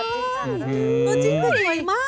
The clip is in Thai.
ตัวจริงเป็นหน่วยมาก